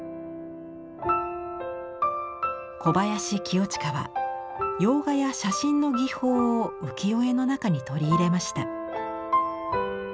小林清親は洋画や写真の技法を浮世絵の中に取り入れました。